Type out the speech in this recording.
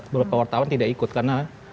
beberapa wartawan tidak ikut karena